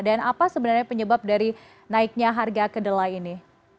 dan apa sebenarnya penyebab dari naiknya harga kedelai ini